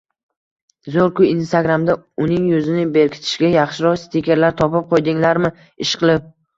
- Zo'rku! Instagramda uning yuzini berkitishga yaxshiroq stikerlar topib qo'ydinglarmi, ishqilib?